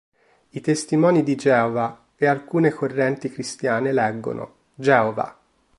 I Testimoni di Geova e alcune correnti cristiane leggono: "Geova".